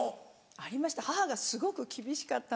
ありました